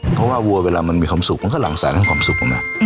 เพราะว่าวัวเวลามันมีความสุขมันก็หลังสารทั้งความสุขผมนะ